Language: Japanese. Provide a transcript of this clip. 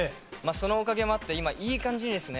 そのおかげもあって今いい感じにですね